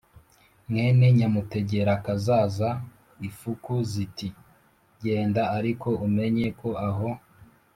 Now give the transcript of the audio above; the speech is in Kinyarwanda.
mwene nyamutegerakazaza." ifuku ziti: "genda ariko umenye ko aho